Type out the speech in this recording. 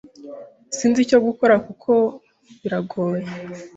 Sinzi icyo gukora ..kuko biragoye.